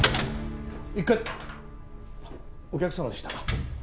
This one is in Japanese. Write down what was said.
一課お客様でしたか。